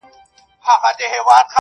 نن والله پاك ته لاسونه نيسم.